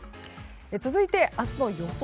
続いて明日の予想